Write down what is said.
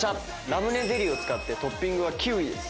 ラムネゼリーを使ってトッピングはキウイです。